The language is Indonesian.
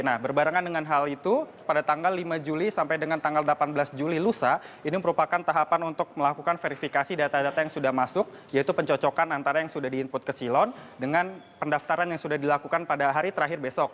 nah berbarengan dengan hal itu pada tanggal lima juli sampai dengan tanggal delapan belas juli lusa ini merupakan tahapan untuk melakukan verifikasi data data yang sudah masuk yaitu pencocokan antara yang sudah di input ke silon dengan pendaftaran yang sudah dilakukan pada hari terakhir besok